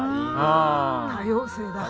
多様性だ。